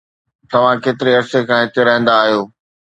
توهان ڪيتري عرصي کان هتي رهندا آهيو؟